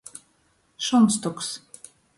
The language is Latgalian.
Šunstuks.